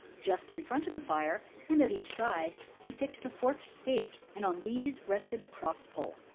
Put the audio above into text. Just in front of the fire, and at each side, he fixed a forked stake, and on these rested a cross pole.